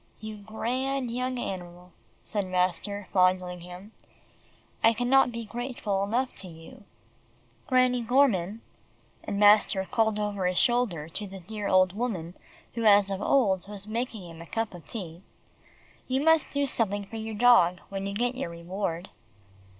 "You grand young animal," said master, fondling him. "I can not be grateful enough to you. Granny Gorman," and master called over his shoulder to the dear old woman who as of old was making him a cup of tea, "you must do something for your dog when you get your reward."